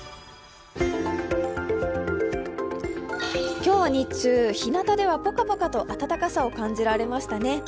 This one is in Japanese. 今日は日中、ひなたではポカポカと暖かさを感じられましたね。